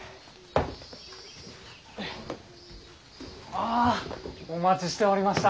あぁお待ちしておりました。